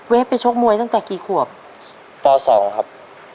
เวฟไปชกมวยตั้งแต่กี่ขวบ